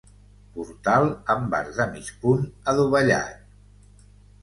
Portal amb arc de mig punt adovellat.